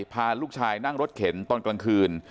พาลูกชายนั่งรถเข็นตอนกลางคืน